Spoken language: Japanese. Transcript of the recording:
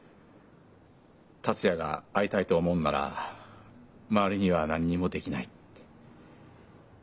達也が「会いたい」と思うんなら周りには何にもできないって。